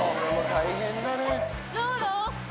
大変だね。